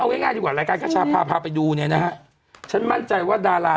เอาง่ายดีกว่ารายการข้าชาพาพาไปดูเนี่ยนะฮะฉันมั่นใจว่าดารา